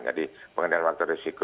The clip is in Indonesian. jadi pengendalian faktor resiko